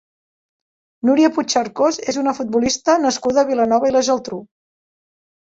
Núria Puigcercós és una futbolista nascuda a Vilanova i la Geltrú.